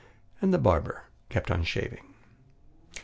And the barber kept on shaving.